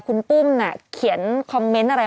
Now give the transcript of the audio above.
คุณปุ้มเขียนคอมเมนต์อะไร